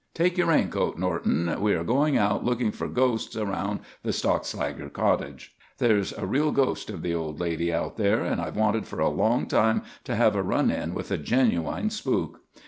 Take your raincoat, Norton. We are going out looking for ghosts around the Stockslager cottage. There's a real ghost of the old lady out there and I've wanted for a long time to have a run in with a genuine spook.